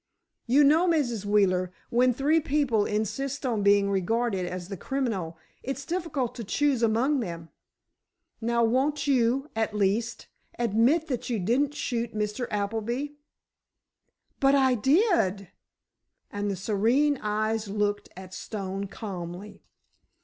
You know, Mrs. Wheeler, when three people insist on being regarded as the criminal, it's difficult to choose among them. Now, won't you, at least, admit that you didn't shoot Mr. Appleby?" "But I did," and the serene eyes looked at Stone calmly.